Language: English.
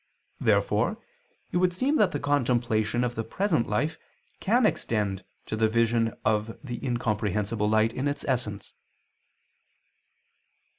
Therefore it would seem that the contemplation of the present life can extend to the vision of the incomprehensible light in its essence.